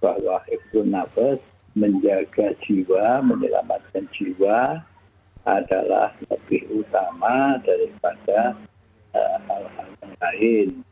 bahwa hektanabes menjaga jiwa menyelamatkan jiwa adalah lebih utama daripada hal hal yang lain